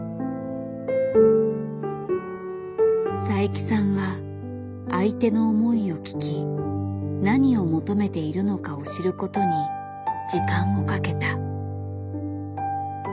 佐伯さんは相手の思いを聞き何を求めているのかを知ることに時間をかけた。